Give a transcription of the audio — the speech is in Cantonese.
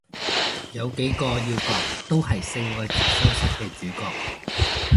有幾個要角都係性愛自修室嘅主角